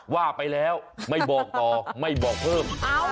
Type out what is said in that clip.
ว่าไปแล้วไม่บอกต่อไม่บอกเพิ่ม